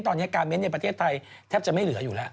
ตอนนี้กาเม้นต์ในประเทศไทยแทบจะไม่เหลืออยู่แล้ว